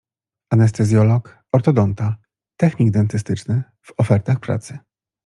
Anestezjolog, ortodonta, technik dentystyczny w ofertach pracy.